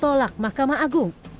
tolak mahkamah agung